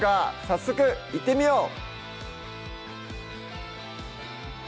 早速いってみよう！